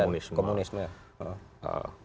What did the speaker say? leninisme dan komunisme